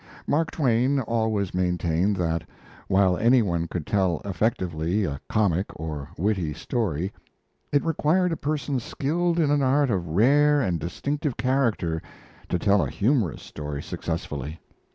Mark Twain always maintained that, while anyone could tell effectively a comic or a witty story, it required a person skilled in an art of a rare and distinctive character to tell a humorous story successfully.